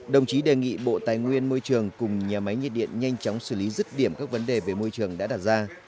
đồng chí đề nghị bộ tài nguyên môi trường cùng nhà máy nhiệt điện nhanh chóng xử lý rứt điểm các vấn đề về môi trường đã đặt ra